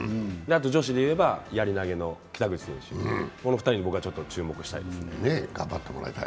女子でいえばやり投げの北口選手この２人に僕は注目したいです。